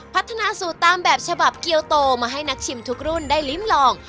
พัฒนาสูตรตามแบบฉบับเกียวโตมาให้นักชิมทุกรุ่นได้ลิ้มลอง